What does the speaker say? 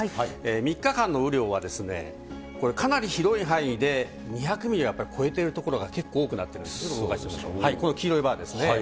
３日間の雨量はですね、これ、かなり広い範囲で２００ミリを、やっぱり超えている所が結構多くなって、この黄色いバーですね。